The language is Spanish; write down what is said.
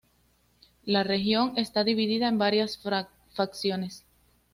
La región está dividida en varias facciones.